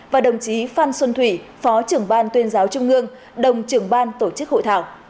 và đồng chí phan xuân thủy phó trưởng ban tuyên giáo trung ương đồng trưởng ban tổ chức hội thảo